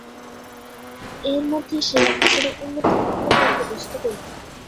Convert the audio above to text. এর মধ্যে সে আশ্রমের্ উন্নতির পাকা বন্দোবস্ত করে ফেলে।